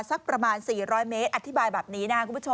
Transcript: สักประมาณ๔๐๐เมตรอธิบายแบบนี้